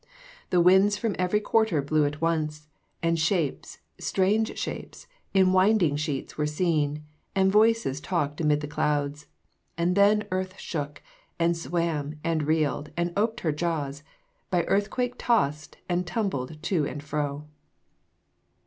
The winds from every quarter blew at once, And shapes, strange shapes, in winding sheets were seen, And voices talked amid the clouds: and then Earth shook, and swam, and reeled, and oped her jaws, By earthquake tossed and tumbled to and fro."